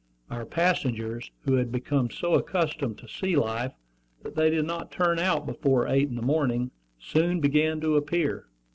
Our passengers, who had become so accustomed to sea life that they did not turn out before eight in the morning, soon began to appear.